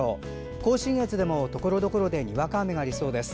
甲信越でも、ところどころでにわか雨がありそうです。